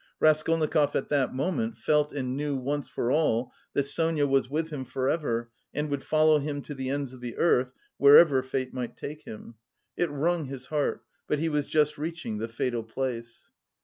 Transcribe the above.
Raskolnikov at that moment felt and knew once for all that Sonia was with him for ever and would follow him to the ends of the earth, wherever fate might take him. It wrung his heart... but he was just reaching the fatal place.